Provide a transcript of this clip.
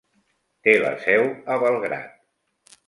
Té la seu a Belgrad.